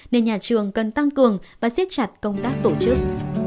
nên nhà trường cần tăng cường và siết chặt công tác tổ chức